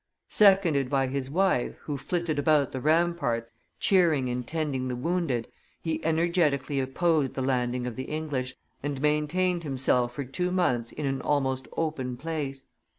Seconded by his wife, who flitted about the ramparts, cheering and tending the wounded, he energetically opposed the landing of the English, and maintained himself for two months in an almost open place.